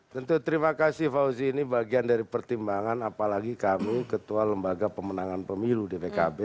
tentu terima kasih fauzi ini bagian dari pertimbangan apalagi kami ketua lembaga pemenangan pemilu di pkb